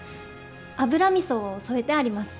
油みそを添えてあります。